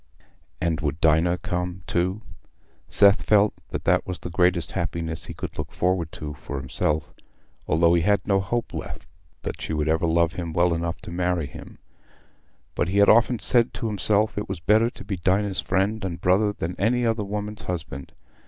And would Dinah come too? Seth felt that that was the greatest happiness he could look forward to for himself, though he had no hope left that she would ever love him well enough to marry him; but he had often said to himself, it was better to be Dinah's friend and brother than any other woman's husband.